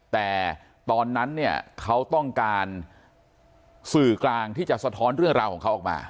แต่ตอนนั้นเนี่ยเขาต้องการสื่อกลางที่จะสะท้อนเรื่องราวของเขาออกมา